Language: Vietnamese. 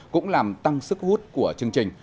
cũng làm tăng sức hút của chương trình